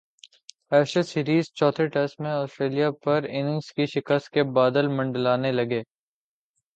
Ashes series چوتھے test میں Australia پر اننگز کی شکست کے بادل منڈلانے لگے